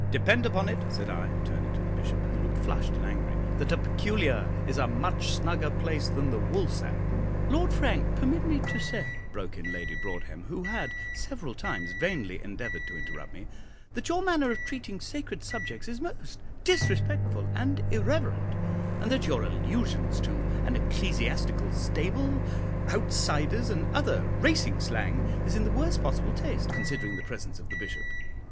Depend upon it," said I, turning to the Bishop, who looked flushed and angry, "that a 'Peculiar' is a much snugger place than the Woolsack." "Lord Frank, permit me to say," broke in Lady Broadhem, who had several times vainly endeavoured to interrupt me, "that your manner of treating sacred subjects is most disrespectful and irreverent, and that your allusions to an ecclesiastical stable, 'outsiders,' and other racing slang, is in the worst possible taste, considering the presence of the Bishop."